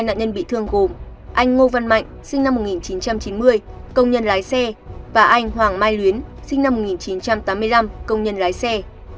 hai nạn nhân bị thương gồm anh ngô văn mạnh sinh năm một nghìn chín trăm chín mươi công nhân lái xe và anh hoàng mai luyến sinh năm một nghìn chín trăm tám mươi năm công nhân lái xe